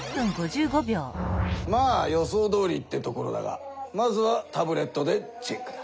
まあ予想どおりってところだがまずはタブレットでチェックだ。